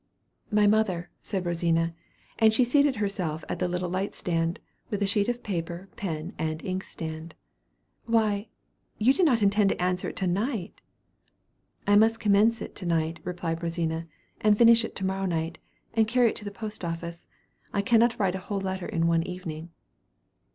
"My mother," said Rosina; and she seated herself at the little light stand, with a sheet of paper, pen, and inkstand. "Why, you do not intend to answer it to night?" "I must commence it to night," replied Rosina, "and finish it to morrow night, and carry it to the post office. I cannot write a whole letter in one evening."